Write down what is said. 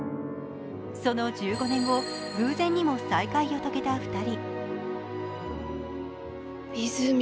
その１５年後偶然にも再会を遂げた２人。